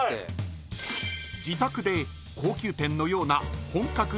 自宅で高級店のような本格